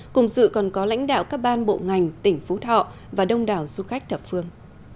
cùng dự còn có lãnh đạo các ban bộ ngành tỉnh phú thọ và đông đảo du khách thập phương